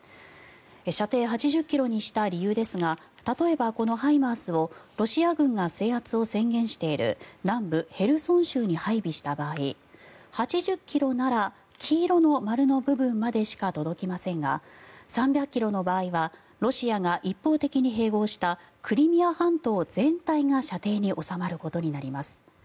射程８０ｋｍにした理由ですが例えば、このＨＩＭＡＲＳをロシア軍が制圧を宣言している南部ヘルソン州に配備した場合８０ｋｍなら黄色の丸の部分までしか届きませんが３００ｋｍの場合はロシアが一方的に併合したクリミア半島全体が射程に収まることになります。